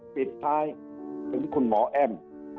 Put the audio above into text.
ปิดท้ายถึงคุณหมอแอ้ม